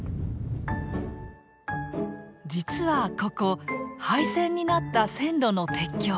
実はここ廃線になった線路の鉄橋。